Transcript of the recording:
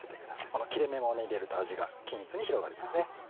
この切れ目も入れると味が均一に広がりますね。